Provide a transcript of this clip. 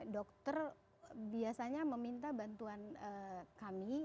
dokter biasanya meminta bantuan kami